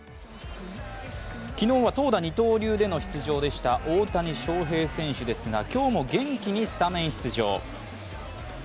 昨日は投打二刀流での出場でした大谷翔平選手ですが今日も元気にスタメン出場。